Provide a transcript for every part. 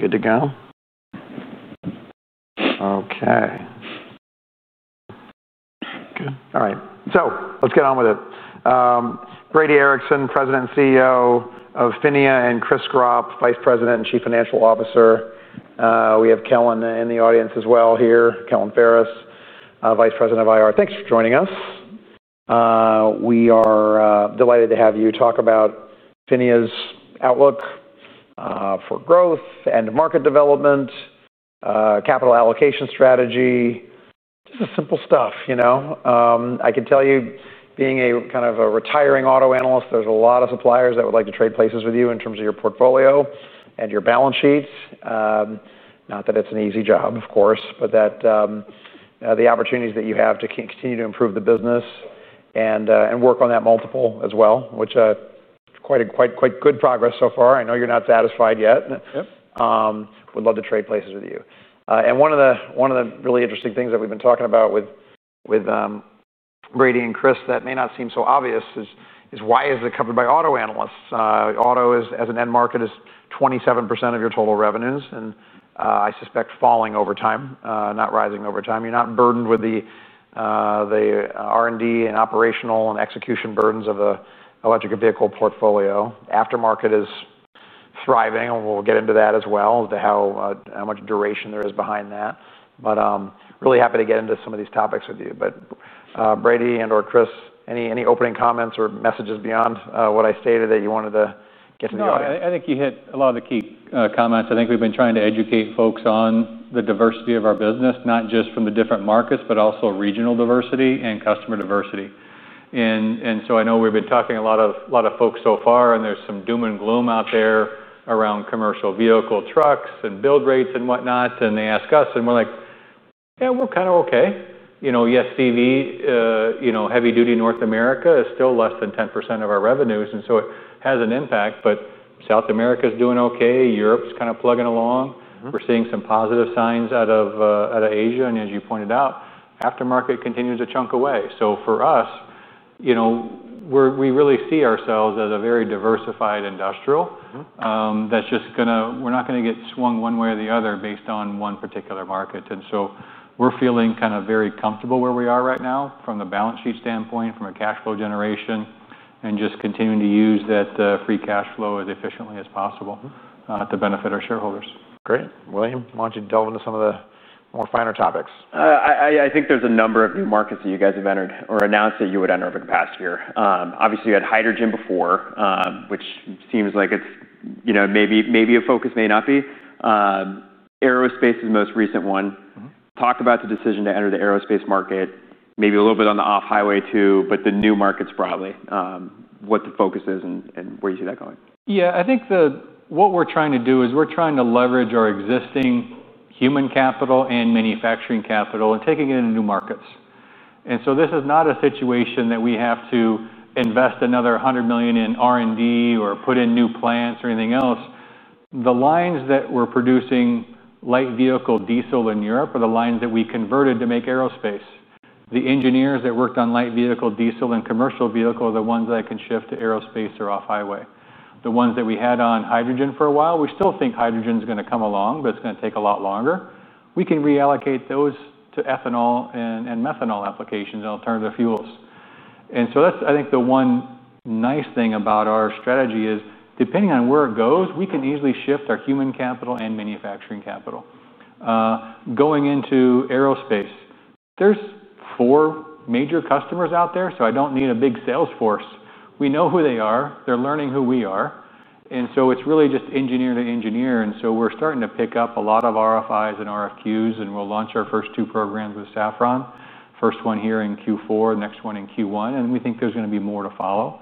Good to go. Okay. Good. All right. Let's get on with it. Brady Ericson, President and CEO of PHINIA, and Chris Gropp, Vice President and Chief Financial Officer. We have Kellen in the audience as well here, Kellen Ferris, Vice President of IR. Thanks for joining us. We are delighted to have you talk about PHINIA's outlook for growth and market development, capital allocation strategy, just the simple stuff. I can tell you, being a kind of a retiring auto analyst, there's a lot of suppliers that would like to trade places with you in terms of your portfolio and your balance sheets. Not that it's an easy job, of course, but the opportunities that you have to continue to improve the business and work on that multiple as well, which is quite, quite, quite good progress so far. I know you're not satisfied yet. Yep. Would love to trade places with you. One of the really interesting things that we've been talking about with Brady and Chris that may not seem so obvious is why is it covered by auto analysts? Auto, as an end market, is 27% of your total revenues and I suspect falling over time, not rising over time. You're not burdened with the R&D and operational and execution burdens of the electric vehicle portfolio. Aftermarket is thriving, and we'll get into that as well, as to how much duration there is behind that. Really happy to get into some of these topics with you. Brady and/or Chris, any opening comments or messages beyond what I stated that you wanted to get to the audience? Yeah, I think you hit a lot of the key comments. I think we've been trying to educate folks on the diversity of our business, not just from the different markets, but also regional diversity and customer diversity. I know we've been talking to a lot of folks so far, and there's some doom and gloom out there around commercial vehicle trucks and build rates and whatnot. They ask us, and we're like, yeah, we're kind of okay. Yes, CV, you know, heavy-duty North America is still less than 10% of our revenues, and so it has an impact. South America's doing okay. Europe's kind of plugging along. We're seeing some positive signs out of Asia. As you pointed out, aftermarket continues to chunk away. For us, we really see ourselves as a very diversified industrial. We're not going to get swung one way or the other based on one particular market. We're feeling kind of very comfortable where we are right now from the balance sheet standpoint, from a cash flow generation, and just continuing to use that free cash flow as efficiently as possible to benefit our shareholders. Great. William, why don't you delve into some of the more finer topics? I think there's a number of new markets that you guys have entered or announced that you would enter over the past year. Obviously, you had hydrogen before, which seems like it's, you know, maybe a focus, may not be. Aerospace is the most recent one. Talk about the decision to enter the aerospace market, maybe a little bit on the off-highway too, but the new markets broadly, what the focus is and where you see that going. Yeah, I think what we're trying to do is we're trying to leverage our existing human capital and manufacturing capital and taking it into new markets. This is not a situation that we have to invest another $100 million in R&D or put in new plants or anything else. The lines that were producing light vehicle diesel in Europe are the lines that we converted to make aerospace. The engineers that worked on light vehicle diesel and commercial vehicle are the ones that I can shift to aerospace or off-highway. The ones that we had on hydrogen for a while, we still think hydrogen is going to come along, but it's going to take a lot longer. We can reallocate those to ethanol and methanol applications and alternative fuels. That's, I think, the one nice thing about our strategy is depending on where it goes, we can easily shift our human capital and manufacturing capital. Going into aerospace, there's four major customers out there, so I don't need a big sales force. We know who they are. They're learning who we are. It's really just engineer to engineer. We're starting to pick up a lot of RFIs and RFQs, and we'll launch our first two programs with Saffron, first one here in Q4, the next one in Q1. We think there's going to be more to follow.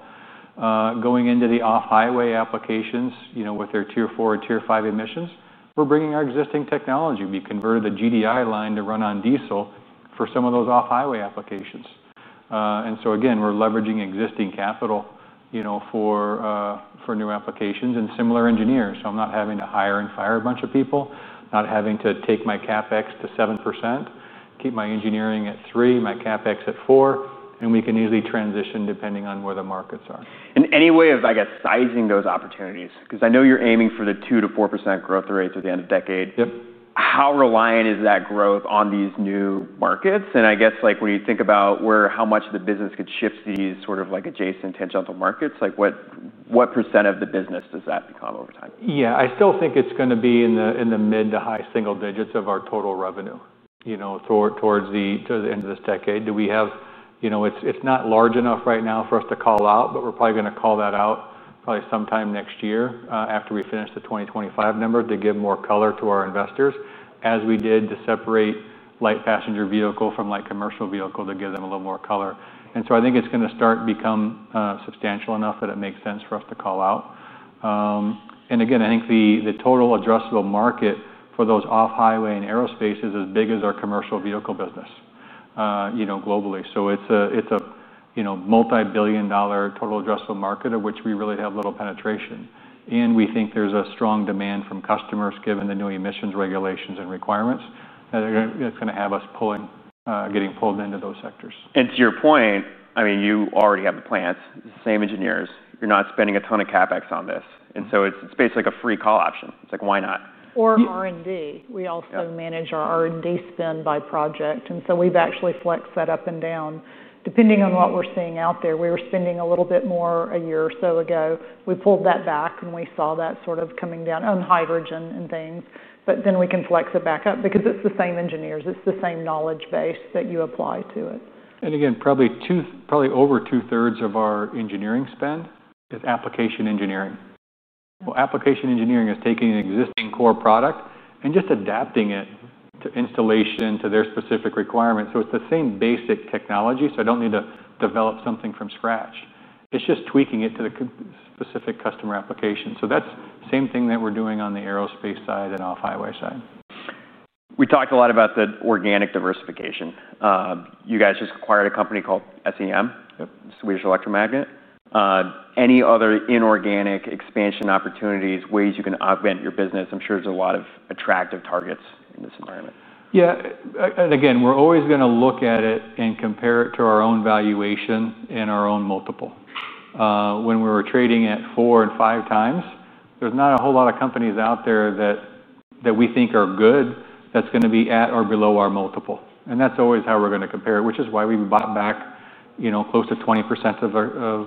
Going into the off-highway applications, with their Tier 4 and Tier 5 emissions, we're bringing our existing technology. We converted the GDI line to run on diesel for some of those off-highway applications. Again, we're leveraging existing capital for new applications and similar engineers. I'm not having to hire and fire a bunch of people, not having to take my CapEx to 7%, keep my engineering at 3%, my CapEx at 4%, and we can easily transition depending on where the markets are. there any way of, I guess, sizing those opportunities? I know you're aiming for the 2% to 4% growth rates at the end of the decade. Yep. How reliant is that growth on these new markets? When you think about how much the business could shift to these sort of adjacent tangential markets, what % of the business does that become over time? Yeah, I still think it's going to be in the mid to high single digits of our total revenue, you know, towards the end of this decade. It's not large enough right now for us to call out, but we're probably going to call that out probably sometime next year after we finish the 2025 number to give more color to our investors, as we did to separate light passenger vehicle from light commercial vehicle to give them a little more color. I think it's going to start to become substantial enough that it makes sense for us to call out. I think the total addressable market for those off-highway and aerospace is as big as our commercial vehicle business globally. It's a multibillion-dollar total addressable market of which we really have little penetration. We think there's a strong demand from customers given the new emissions regulations and requirements that it's going to have us getting pulled into those sectors. To your point, you already have the plants, the same engineers. You're not spending a ton of CapEx on this, so it's basically like a free call option. It's like, why not? We also manage our R&D spend by project. We've actually flexed that up and down depending on what we're seeing out there. We were spending a little bit more a year or so ago. We pulled that back as we saw that coming down on hydrogen and things. We can flex it back up because it's the same engineers, it's the same knowledge base that you apply to it. Probably over 2/3 of our engineering spend is application engineering. Application engineering is taking an existing core product and just adapting it to installation to their specific requirements. It's the same basic technology. I don't need to develop something from scratch. It's just tweaking it to the specific customer application. That's the same thing that we're doing on the aerospace side and off-highway side. We talked a lot about the organic diversification. You guys just acquired a company called Swedish Electromagnet (SEM). Any other inorganic expansion opportunities, ways you can augment your business? I'm sure there's a lot of attractive targets in this environment. Yeah, and again, we're always going to look at it and compare it to our own valuation and our own multiple. When we were trading at four and five times, there's not a whole lot of companies out there that we think are good that's going to be at or below our multiple. That's always how we're going to compare it, which is why we bought back, you know, close to 20%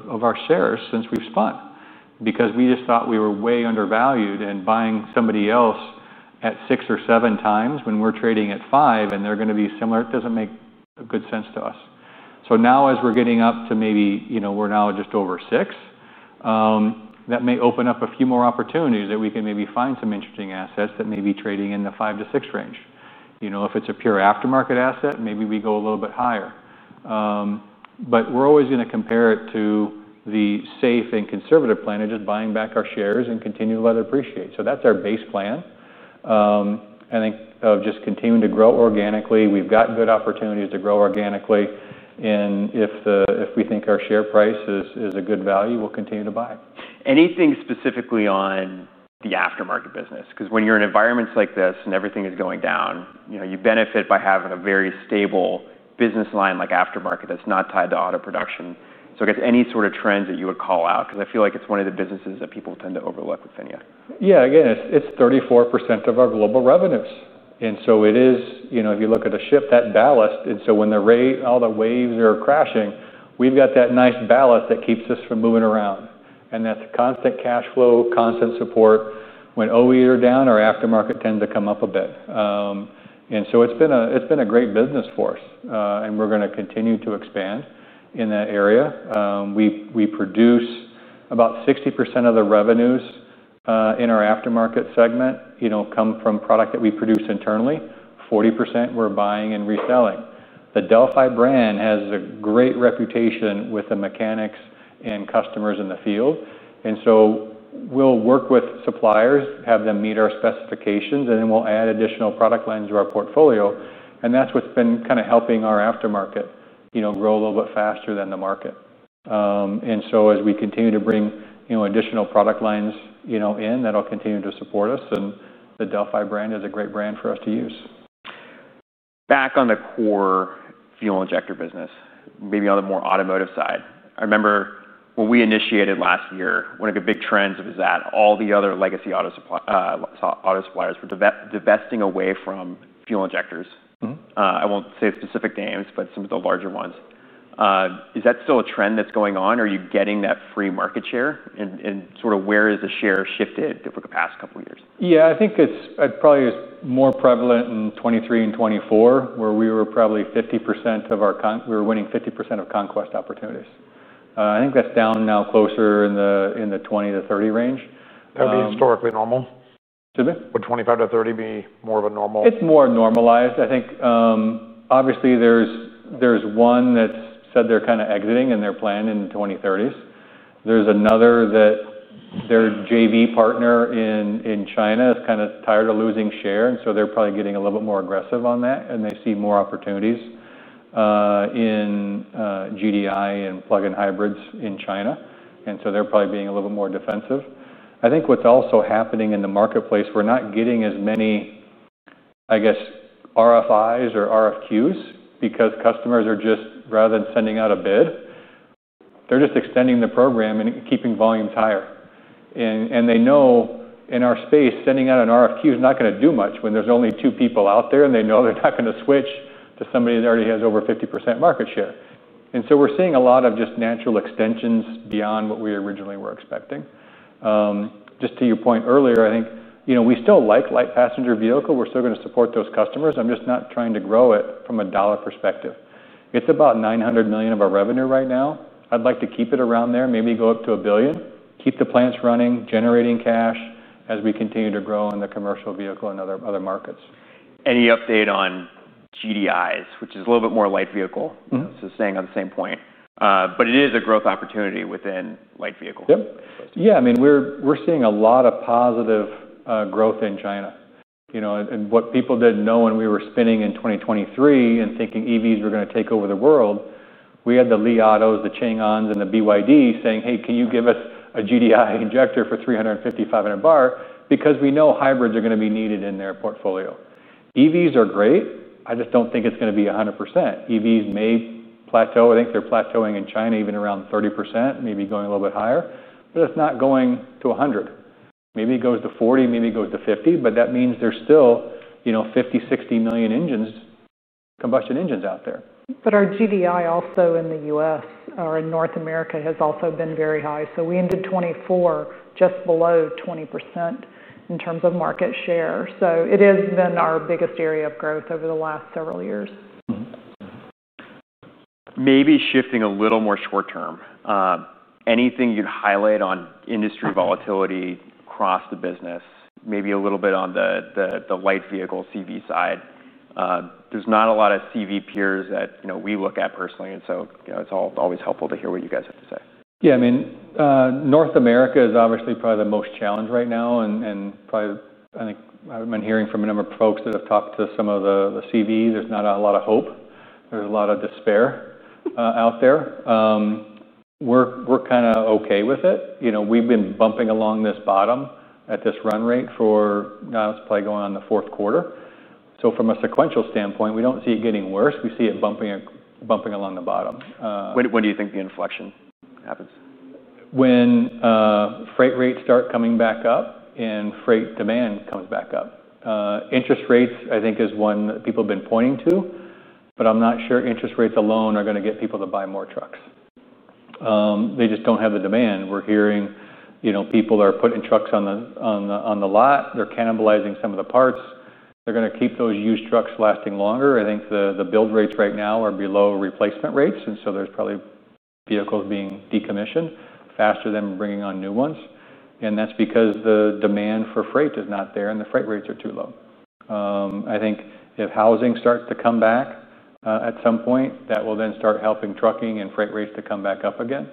of our shares since we've spun because we just thought we were way undervalued, and buying somebody else at six or seven times when we're trading at five and they're going to be similar, it doesn't make good sense to us. Now as we're getting up to maybe, you know, we're now just over six, that may open up a few more opportunities that we can maybe find some interesting assets that may be trading in the five to six range. If it's a pure aftermarket asset, maybe we go a little bit higher. We're always going to compare it to the safe and conservative plan of just buying back our shares and continuing to let it appreciate. That's our base plan. I think of just continuing to grow organically. We've got good opportunities to grow organically, and if we think our share price is a good value, we'll continue to buy it. Anything specifically on the aftermarket business? When you're in environments like this and everything is going down, you benefit by having a very stable business line like aftermarket that's not tied to auto production. I guess any sort of trends that you would call out? I feel like it's one of the businesses that people tend to overlook with PHINIA. Yeah, again, it's 34% of our global revenues. It is, you know, if you look at a ship, that ballast, and so when the ray, all the waves are crashing, we've got that nice ballast that keeps us from moving around. That's constant cash flow, constant support. When OEs are down, our aftermarket tends to come up a bit. It's been a great business for us. We're going to continue to expand in that area. We produce about 60% of the revenues in our aftermarket segment from product that we produce internally. 40% we're buying and reselling. The Delphi brand has a great reputation with the mechanics and customers in the field. We'll work with suppliers, have them meet our specifications, and then we'll add additional product lines to our portfolio. That's what's been kind of helping our aftermarket, you know, grow a little bit faster than the market. As we continue to bring, you know, additional product lines in, that'll continue to support us. The Delphi brand is a great brand for us to use. Back on the core fuel injector business, maybe on the more automotive side, I remember when we initiated last year, one of the big trends was that all the other legacy auto suppliers were divesting away from fuel injectors. I won't say specific names, but some of the larger ones. Is that still a trend that's going on? Are you getting that free market share? Where has the share shifted over the past couple of years? Yeah, I think it's probably more prevalent in 2023 and 2024, where we were probably 50% of our con, we were winning 50% of conquest opportunities. I think that's down now closer in the 20% to 30% range. Would it be historically normal? Excuse me? Would 25 to 30 be more of a normal? It's more normalized. I think, obviously there's one that's said they're kind of exiting in their plan in the 2030s. There's another that their JV partner in China is kind of tired of losing share, and they're probably getting a little bit more aggressive on that. They see more opportunities in GDI and plug-in hybrids in China, and they're probably being a little bit more defensive. I think what's also happening in the marketplace, we're not getting as many RFIs or RFQs because customers are just, rather than sending out a bid, they're just extending the program and keeping volumes higher. They know in our space, sending out an RFQ is not going to do much when there's only two people out there, and they know they're not going to switch to somebody that already has over 50% market share. We're seeing a lot of just natural extensions beyond what we originally were expecting. Just to your point earlier, I think, you know, we still like light passenger vehicle. We're still going to support those customers. I'm just not trying to grow it from a dollar perspective. It's about $900 million of our revenue right now. I'd like to keep it around there, maybe go up to $1 billion, keep the plants running, generating cash as we continue to grow in the commercial vehicle and other markets. Any update on GDIs, which is a little bit more light vehicle? Staying on the same point, but it is a growth opportunity within light vehicle. Yeah, I mean, we're seeing a lot of positive growth in China. You know, and what people didn't know when we were spinning in 2023 and thinking EVs were going to take over the world, we had the Li Auto's, the Chang'ans, and the BYD saying, "Hey, can you give us a GDI injector for $355 in a bar?" Because we know hybrids are going to be needed in their portfolio. EVs are great. I just don't think it's going to be 100%. EVs may plateau. I think they're plateauing in China even around 30%, maybe going a little bit higher. It's not going to 100. Maybe it goes to 40, maybe it goes to 50, but that means there's still, you know, 50, 60 million engines, combustion engines out there. Our GDI also in the U.S. or in North America has also been very high. We ended 2024 just below 20% in terms of market share. It has been our biggest area of growth over the last several years. Maybe shifting a little more short term, anything you'd highlight on industry volatility across the business, maybe a little bit on the light vehicle CV side. There's not a lot of CV peers that we look at personally. It's always helpful to hear what you guys have to say. Yeah, I mean, North America is obviously probably the most challenged right now. I think I've been hearing from a number of folks that have talked to some of the commercial vehicles, there's not a lot of hope. There's a lot of despair out there. We're kind of OK with it. You know, we've been bumping along this bottom at this run rate for now, it's probably going on the fourth quarter. From a sequential standpoint, we don't see it getting worse. We see it bumping along the bottom. When do you think the inflection happens? When freight rates start coming back up and freight demand comes back up, interest rates, I think, is one that people have been pointing to. I'm not sure interest rates alone are going to get people to buy more trucks. They just don't have the demand. We're hearing people are putting trucks on the lot, they're cannibalizing some of the parts, they're going to keep those used trucks lasting longer. I think the build rates right now are below replacement rates, and so there's probably vehicles being decommissioned faster than bringing on new ones. That's because the demand for freight is not there and the freight rates are too low. I think if housing starts to come back at some point, that will then start helping trucking and freight rates to come back up again.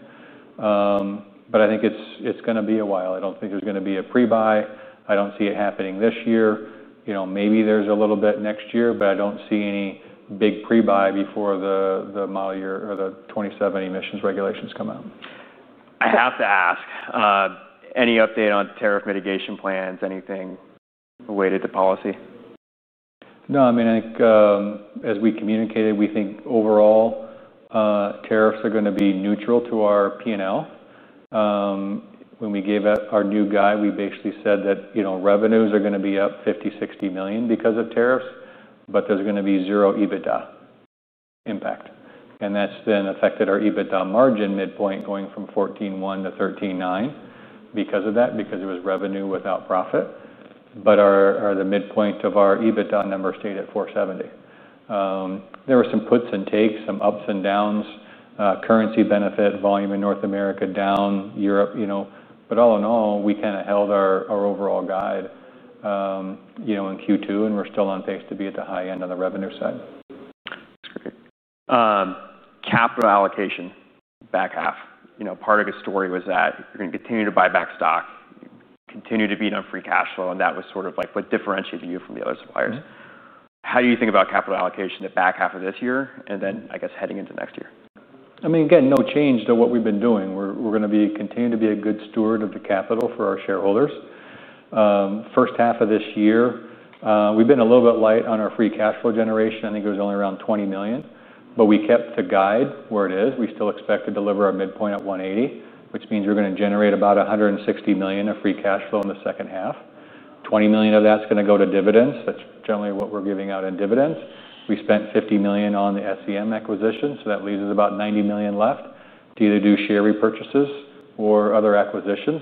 I think it's going to be a while. I don't think there's going to be a pre-buy. I don't see it happening this year. Maybe there's a little bit next year, but I don't see any big pre-buy before the model year or the 2027 emissions regulations come out. I have to ask, any update on tariff mitigation plans, anything related to policy? No, I mean, I think as we communicated, we think overall tariffs are going to be neutral to our P&L. When we gave our new guide, we basically said that, you know, revenues are going to be up $50 million, $60 million because of tariffs, but there's going to be zero EBITDA impact. That's then affected our EBITDA margin midpoint going from 14.1% to 13.9% because of that, because it was revenue without profit. The midpoint of our EBITDA number stayed at $470 million. There were some puts and takes, some ups and downs, currency benefit, volume in North America down, Europe, you know, all in all, we kind of held our overall guide in Q2, and we're still on pace to be at the high end on the revenue side. Capital allocation back half. Part of the story was that you're going to continue to buy back stock, continue to be on free cash flow, and that was sort of like what differentiated you from the other suppliers. How do you think about capital allocation the back half of this year and then, I guess, heading into next year? I mean, again, no change to what we've been doing. We're going to continue to be a good steward of the capital for our shareholders. First half of this year, we've been a little bit light on our free cash flow generation. I think it was only around $20 million, but we kept the guide where it is. We still expect to deliver our midpoint at $180 million, which means we're going to generate about $160 million of free cash flow in the second half. $20 million of that's going to go to dividends. That's generally what we're giving out in dividends. We spent $50 million on the SEM acquisition, so that leaves us about $90 million left to either do share repurchases or other acquisitions.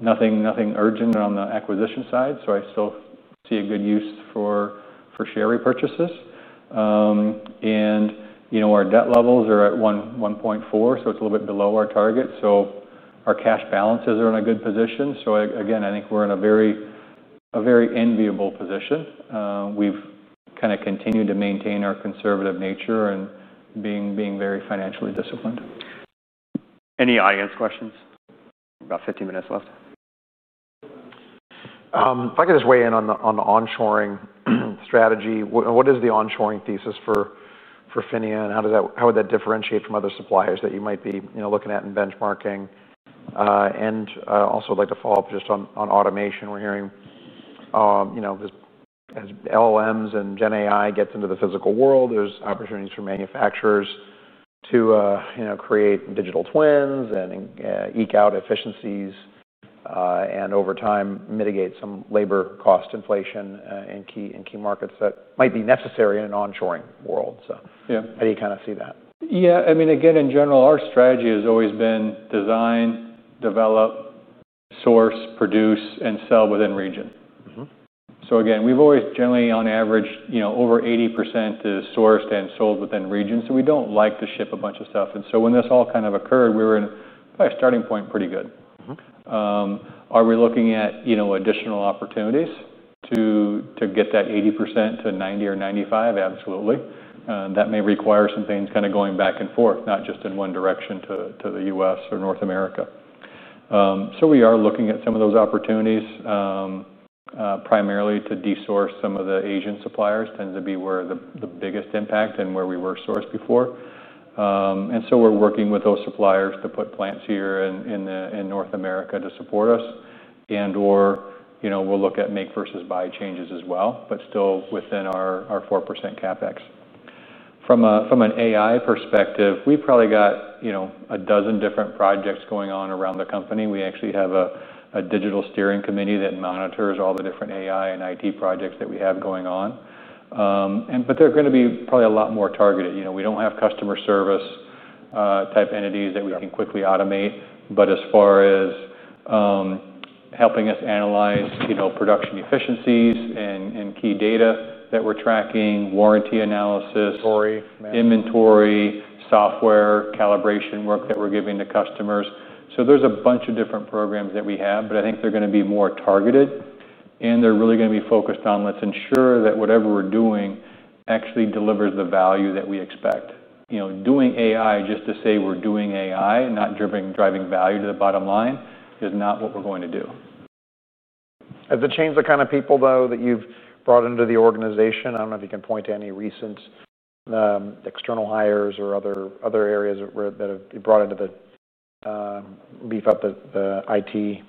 Nothing urgent on the acquisition side, I still see a good use for share repurchases. Our debt levels are at $1.4 billion, so it's a little bit below our target. Our cash balances are in a good position. Again, I think we're in a very enviable position. We've kind of continued to maintain our conservative nature and being very financially disciplined. Any audience questions? We've got 15 minutes left. If I could just weigh in on the onshoring strategy, what is the onshoring thesis for PHINIA, and how would that differentiate from other suppliers that you might be looking at and benchmarking? I'd like to follow up just on automation. We're hearing, as LLMs and GenAI get into the physical world, there's opportunities for manufacturers to create digital twins and eke out efficiencies and over time mitigate some labor cost inflation in key markets that might be necessary in an onshoring world. How do you kind of see that? Yeah, I mean, again, in general, our strategy has always been design, develop, source, produce, and sell within region. Again, we've always generally, on average, you know, over 80% is sourced and sold within region. We don't like to ship a bunch of stuff. When this all kind of occurred, we were in a starting point pretty good. Are we looking at, you know, additional opportunities to get that 80% to 90% or 95%? Absolutely. That may require some things kind of going back and forth, not just in one direction to the U.S. or North America. We are looking at some of those opportunities, primarily to desource some of the Asian suppliers. It tends to be where the biggest impact and where we were sourced before. We are working with those suppliers to put plants here in North America to support us. And/or, you know, we'll look at make versus buy changes as well, but still within our 4% CapEx. From an AI perspective, we've probably got, you know, a dozen different projects going on around the company. We actually have a digital steering committee that monitors all the different AI and IT projects that we have going on. They're going to be probably a lot more targeted. We don't have customer service type entities that we can quickly automate. As far as helping us analyze, you know, production efficiencies and key data that we're tracking, warranty analysis, inventory, software, calibration work that we're giving to customers. There's a bunch of different programs that we have, but I think they're going to be more targeted. They're really going to be focused on, let's ensure that whatever we're doing actually delivers the value that we expect. You know, doing AI just to say we're doing AI and not driving value to the bottom line is not what we're going to do. Has it changed the kind of people, though, that you've brought into the organization? I don't know if you can point to any recent external hires or other areas that have brought in to beef up the IT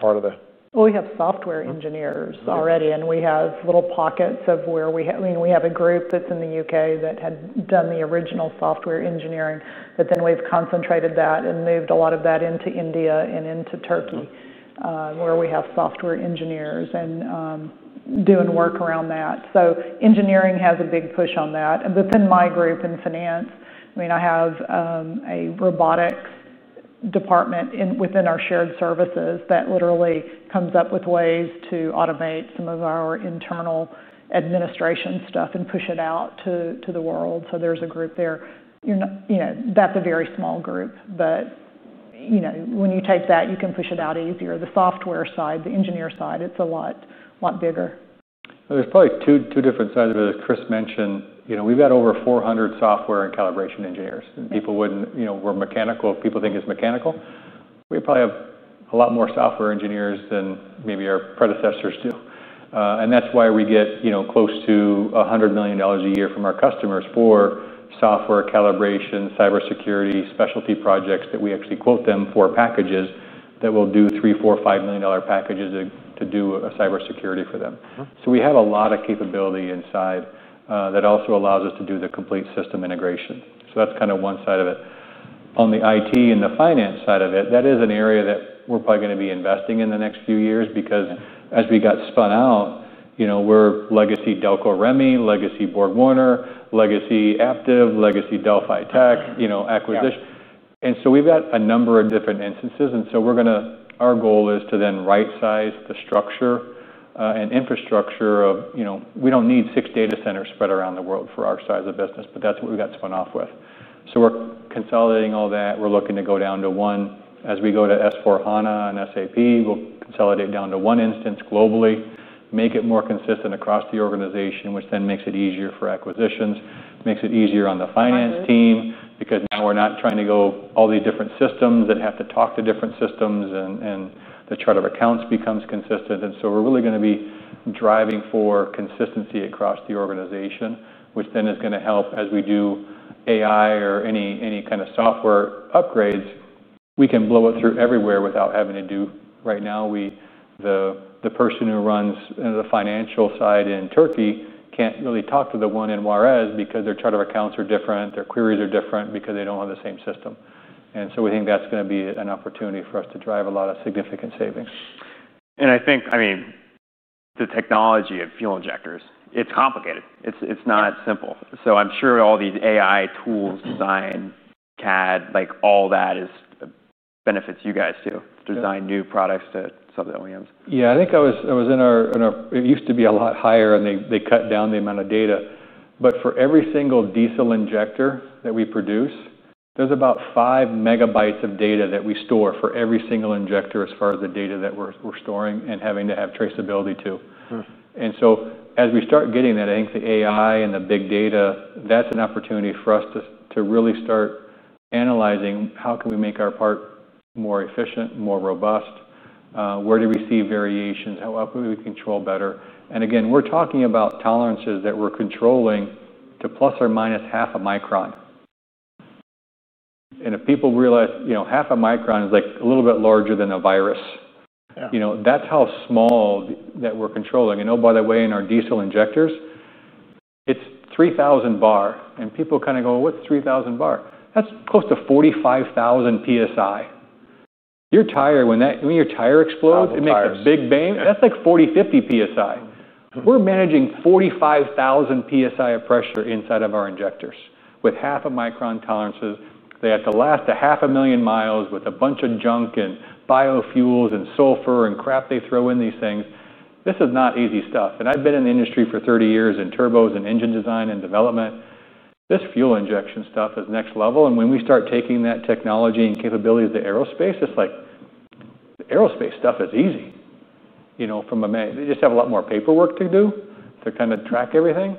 part of it. We have software engineers already, and we have little pockets of where we have, I mean, we have a group that's in the UK that had done the original software engineering, but then we've concentrated that and moved a lot of that into India and into Turkey, where we have software engineers and doing work around that. Engineering has a big push on that. Within my group in Finance, I have a robotics department within our shared services that literally comes up with ways to automate some of our internal administration stuff and push it out to the world. There's a group there. That's a very small group, but when you take that, you can push it out easier. The software side, the engineer side, it's a lot bigger. There's probably two different sides of it. As Chris mentioned, we've got over 400 software and calibration engineers. People wouldn't, you know, we're mechanical. People think it's mechanical. We probably have a lot more software engineers than maybe our predecessors do. That's why we get close to $100 million a year from our customers for software calibration, cybersecurity, specialty projects that we actually quote them for packages that will do $3 million, $4 million, $5 million packages to do cybersecurity for them. We have a lot of capability inside that also allows us to do the complete system integration. That's kind of one side of it. On the IT and the finance side of it, that is an area that we're probably going to be investing in the next few years because as we got spun out, we're legacy Delco Remi, legacy BorgWarner, legacy Aptiv, legacy Delphi Tech, acquisition. We've got a number of different instances. Our goal is to then right-size the structure and infrastructure. We don't need six data centers spread around the world for our size of business, but that's what we got spun off with. We're consolidating all that. We're looking to go down to one. As we go to SAP S/4HANA, we'll consolidate down to one instance globally, make it more consistent across the organization, which makes it easier for acquisitions, makes it easier on the finance team because now we're not trying to go all these different systems and have to talk to different systems, and the chart of accounts becomes consistent. We're really going to be driving for consistency across the organization, which is going to help as we do AI or any kind of software upgrades. We can blow it through everywhere without having to do, right now, the person who runs the financial side in Turkey can't really talk to the one in Juarez because their chart of accounts are different, their queries are different because they don't have the same system. We think that's going to be an opportunity for us to drive a lot of significant savings. I think the technology of fuel injectors, it's complicated. It's not simple. I'm sure all these AI tools, design, CAD, all that benefits you guys to design new products to some of the OEMs. I think I was in our, it used to be a lot higher and they cut down the amount of data. For every single diesel injector that we produce, there's about five megabytes of data that we store for every single injector as far as the data that we're storing and having to have traceability to. As we start getting that, I think the AI and the big data, that's an opportunity for us to really start analyzing how can we make our part more efficient, more robust. Where do we see variations? How can we control better? We're talking about tolerances that we're controlling to plus or minus half a micron. If people realize, you know, half a micron is like a little bit larger than a virus. That's how small that we're controlling. Oh, by the way, in our diesel injectors, it's 3,000 bar. People kind of go, what's 3,000 bar? That's close to 45,000 PSI. Your tire, when your tire explodes, it makes a big bang. That's like 40, 50 PSI. We're managing 45,000 PSI of pressure inside of our injectors. With half a micron tolerances, they have to last a half a million miles with a bunch of junk and biofuels and sulfur and crap they throw in these things. This is not easy stuff. I've been in the industry for 30 years in turbos and engine design and development. This fuel injection stuff is next level. When we start taking that technology and capabilities to aerospace, it's like the aerospace stuff is easy. From a man, they just have a lot more paperwork to do to kind of track everything.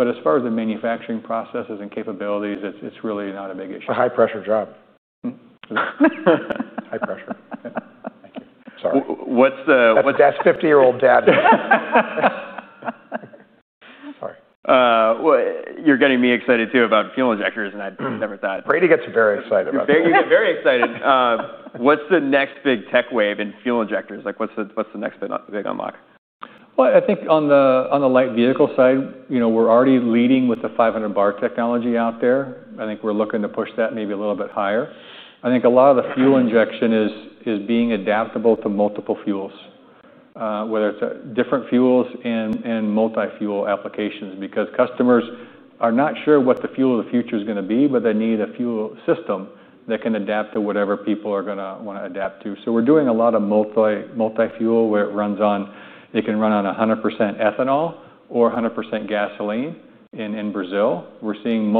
As far as the manufacturing processes and capabilities, it's really not a big issue. It's a high-pressure job. What's the. That's 50-year-old dad. Sorry, you're getting me excited too about fuel injectors, and I never thought. Brady Ericson gets very excited about this. You get very excited. What's the next big tech wave in fuel injectors? Like, what's the next big unlock? I think on the light vehicle side, you know, we're already leading with the 500 bar technology out there. I think we're looking to push that maybe a little bit higher. I think a lot of the fuel injection is being adaptable to multiple fuels, whether it's different fuels and multi-fuel applications, because customers are not sure what the fuel of the future is going to be, but they need a fuel system that can adapt to whatever people are going to want to adapt to. We're doing a lot of multi-fuel where it runs on, it can run on 100% ethanol or 100% gasoline. In Brazil, we're seeing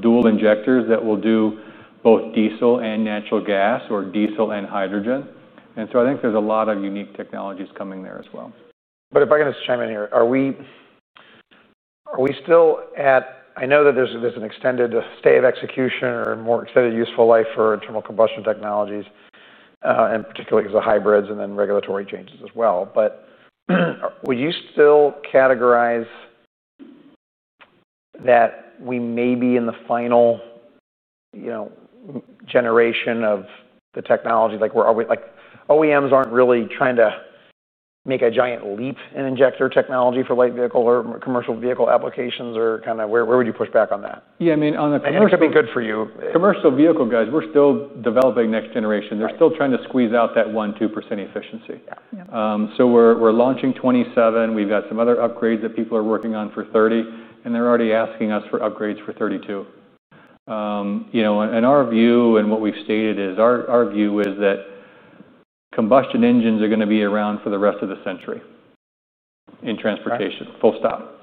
dual injectors that will do both diesel and natural gas or diesel and hydrogen. I think there's a lot of unique technologies coming there as well. If I can just chime in here, are we still at, I know that there's an extended stay of execution or more extended useful life for internal combustion technologies, particularly because of hybrids and then regulatory changes as well. Would you still categorize that we may be in the final generation of the technology? Like, OEMs aren't really trying to make a giant leap in injector technology for light vehicle or commercial vehicle applications, or kind of where would you push back on that? Yeah, I mean, on the commercial. is going to be good for you? Commercial vehicle guys, we're still developing next generation. They're still trying to squeeze out that 1%, 2% efficiency. We're launching 2027. We've got some other upgrades that people are working on for 2030, and they're already asking us for upgrades for 2032. In our view, and what we've stated is our view is that combustion engines are going to be around for the rest of the century in transportation, full stop.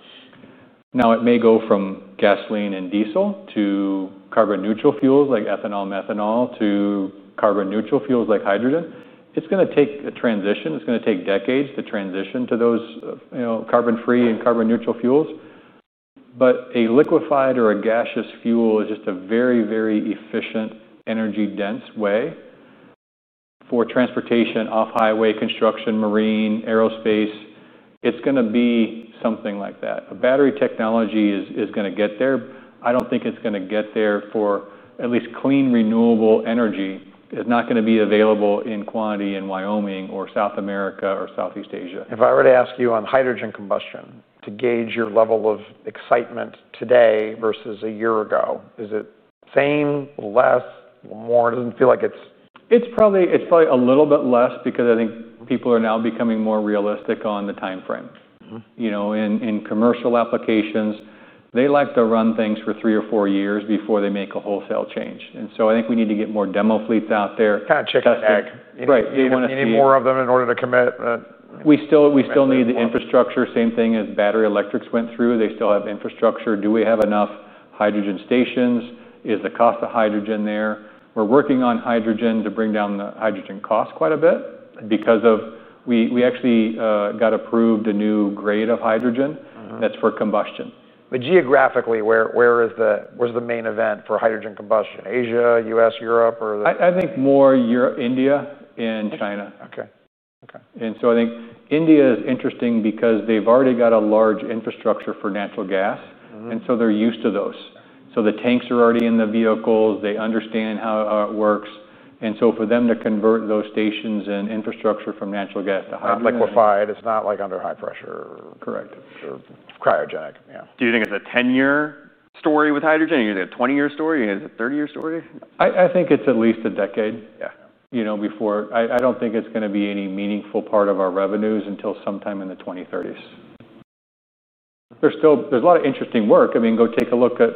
Now it may go from gasoline and diesel to carbon-neutral fuels like ethanol, methanol, to carbon-neutral fuels like hydrogen. It's going to take the transition. It's going to take decades to transition to those carbon-free and carbon-neutral fuels. A liquefied or a gaseous fuel is just a very, very efficient, energy-dense way for transportation, off-highway construction, marine, aerospace. It's going to be something like that. Battery technology is going to get there. I don't think it's going to get there for at least clean renewable energy is not going to be available in quantity in Wyoming or South America or Southeast Asia. If I were to ask you on hydrogen combustion to gauge your level of excitement today versus a year ago, is it the same, less, more? Doesn't feel like it is. It's probably a little bit less because I think people are now becoming more realistic on the time frame. In commercial applications, they like to run things for three or four years before they make a wholesale change. I think we need to get more demo fleets out there. Kind of chicken and egg. Right. You need more of them in order to commit. We still need the infrastructure. Same thing as battery electrics went through. They still have infrastructure. Do we have enough hydrogen stations? Is the cost of hydrogen there? We're working on hydrogen to bring down the hydrogen cost quite a bit because we actually got approved a new grade of hydrogen that's for combustion. Geographically, where's the main event for hydrogen combustion? Asia, U.S., Europe, or? I think more India and China. OK. I think India is interesting because they've already got a large infrastructure for natural gas. They're used to those, so the tanks are already in the vehicles. They understand how it works. For them to convert those stations and infrastructure from natural gas to hydrogen. Not liquefied. It's not like under high pressure. Correct. Or cryogenic. Yeah. Do you think it's a 10-year story with hydrogen? Is it a 20-year story? Is it a 30-year story? I think it's at least a decade. Yeah. I don't think it's going to be any meaningful part of our revenues until sometime in the 2030s. There's still a lot of interesting work. I mean, go take a look at,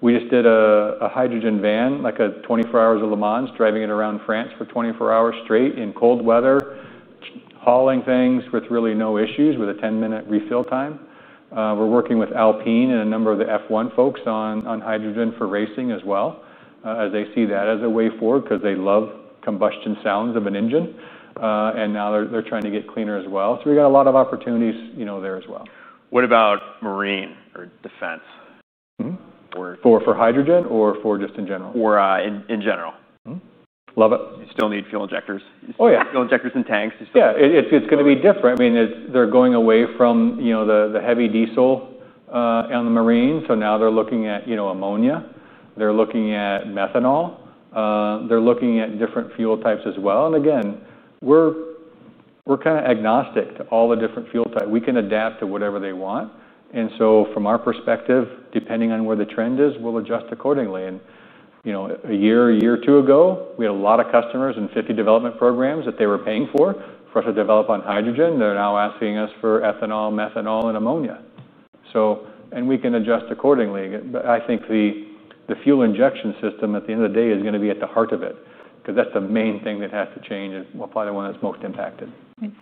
we just did a hydrogen van, like a 24 hours of Le Mans driving it around France for 24 hours straight in cold weather, hauling things with really no issues with a 10-minute refill time. We're working with Alpine and a number of the F1 folks on hydrogen for racing as well, as they see that as a way forward because they love combustion sounds of an engine. Now they're trying to get cleaner as well. We got a lot of opportunities there as well. What about marine or defense? For hydrogen or for just in general? In general. Love it. You still need fuel injectors. Oh, yeah. Fuel injectors and tanks. Yeah, it's going to be different. I mean, they're going away from, you know, the heavy diesel on the marine. Now they're looking at, you know, ammonia. They're looking at methanol. They're looking at different fuel types as well. Again, we're kind of agnostic to all the different fuel types. We can adapt to whatever they want. From our perspective, depending on where the trend is, we'll adjust accordingly. A year, a year or two ago, we had a lot of customers and 50 development programs that they were paying for for us to develop on hydrogen. They're now asking us for ethanol, methanol, and ammonia. We can adjust accordingly. I think the fuel injection system at the end of the day is going to be at the heart of it because that's the main thing that has to change and we'll find the one that's most impacted.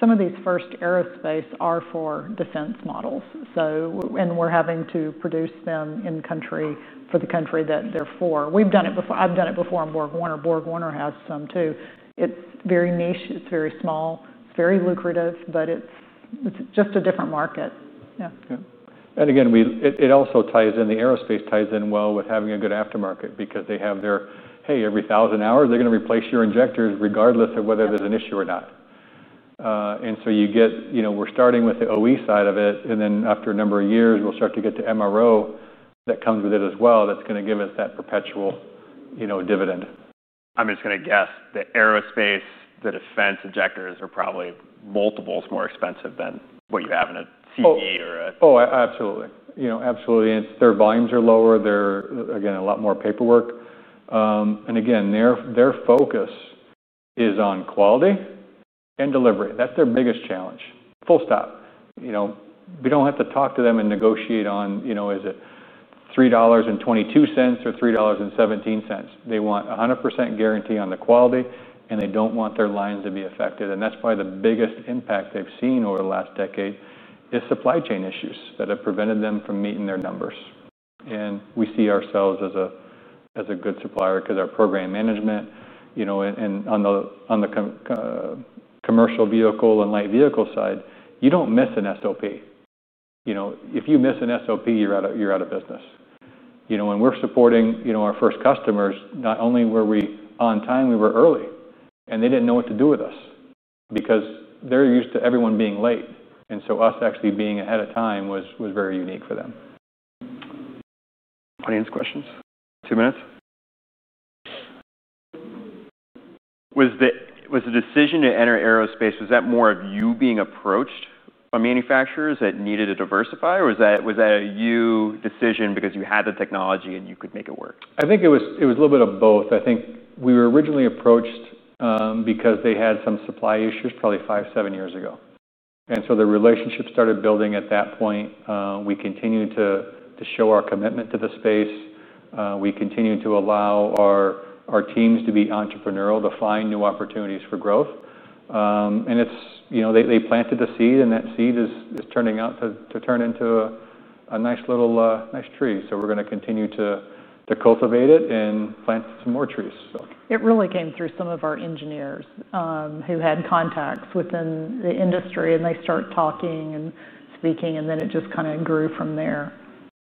Some of these first aerospace are for defense models, and we're having to produce them in country for the country that they're for. We've done it before. I've done it before on BorgWarner. BorgWarner has some too. It's very niche, it's very small, it's very lucrative, but it's just a different market. Yeah. It also ties in the aerospace ties in well with having a good aftermarket because they have their, hey, every 1,000 hours, they're going to replace your injectors regardless of whether there's an issue or not. You get, you know, we're starting with the OE side of it. After a number of years, we'll start to get to MRO that comes with it as well. That's going to give us that perpetual, you know, dividend. I'm just going to guess the aerospace, the defense injectors are probably multiples more expensive than what you have in a CV8 or a. Oh, absolutely. Absolutely. Their volumes are lower. They're, again, a lot more paperwork. Their focus is on quality and delivery. That's their biggest challenge. Full stop. We don't have to talk to them and negotiate on, you know, is it $3.22 or $3.17? They want 100% guarantee on the quality, and they don't want their lines to be affected. That's probably the biggest impact they've seen over the last decade: supply chain issues that have prevented them from meeting their numbers. We see ourselves as a good supplier because our program management, you know, and on the commercial vehicle and light vehicle side, you don't miss an SOP. If you miss an SOP, you're out of business. When we're supporting our first customers, not only were we on time, we were early. They didn't know what to do with us because they're used to everyone being late. Us actually being ahead of time was very unique for them. Audience questions? Two minutes? Was the decision to enter aerospace, was that more of you being approached by manufacturers that needed to diversify, or was that a you decision because you had the technology and you could make it work? I think it was a little bit of both. I think we were originally approached because they had some supply issues probably five, seven years ago. The relationship started building at that point. We continued to show our commitment to the space. We continued to allow our teams to be entrepreneurial, to find new opportunities for growth. They planted the seed, and that seed is turning out to turn into a nice little tree. We are going to continue to cultivate it and plant some more trees. It really came through some of our engineers who had contacts within the industry, and they start talking and speaking, and it just kind of grew from there.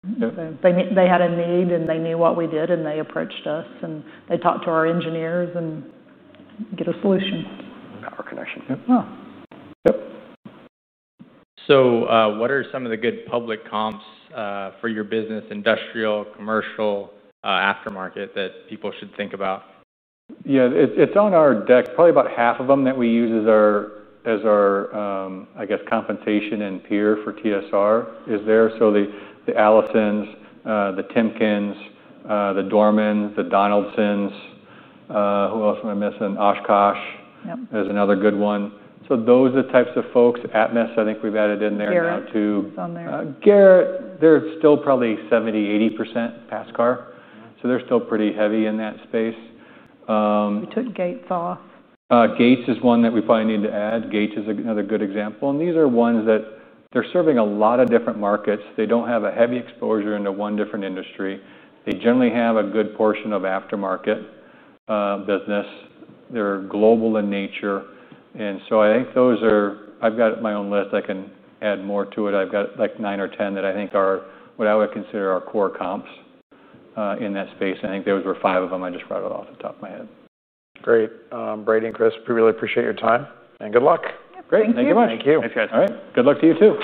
They had a need, and they knew what we did, and they approached us, and they talked to our engineers and get a solution. Power connection. Yep. What are some of the good public comps for your business, industrial, commercial aftermarket that people should think about? Yeah, it's on our deck. Probably about half of them that we use as our, I guess, compensation and peer for TSR is there. So the Allison Transmission, the Timkens, the Dorman Products, the Donaldson Company. Who else am I missing? Oshkosh Corporation is another good one. Those are the types of folks. Atmus, I think we've added in there now too. Garrett. Motion, they're still probably 70% to 80% passenger car. They're still pretty heavy in that space. We took Gates Industrial off. Gates is one that we probably need to add. Gates is another good example. These are ones that they're serving a lot of different markets. They don't have a heavy exposure into one different industry. They generally have a good portion of aftermarket business. They're global in nature. I think those are, I've got my own list. I can add more to it. I've got like nine or ten that I think are what I would consider our core comps in that space. I think those were five of them I just brought it off the top of my head. Great. Brady and Chris, we really appreciate your time. Good luck. Great. Thank you very much. Thank you. Thanks, guys. All right. Good luck to you too.